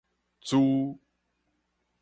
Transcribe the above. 珠